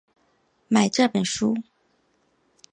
买这本书